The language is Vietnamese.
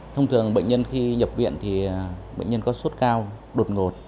thông thường bệnh nhân khi nhập viện thì bệnh nhân có suốt cao đột ngột